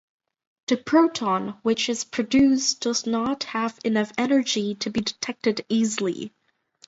The proton which is produced does not have enough energy to be detected easily.